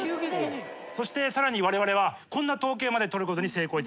そしてさらにわれわれはこんな統計まで取ることに成功いたしました。